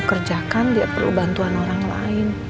kerjakan dia perlu bantuan orang lain